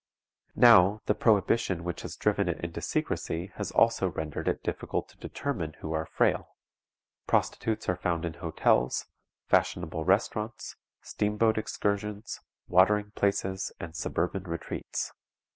Now, the prohibition which has driven it into secrecy has also rendered it difficult to determine who are frail. Prostitutes are found in hotels, fashionable restaurants, steam boat excursions, watering places, and suburban retreats.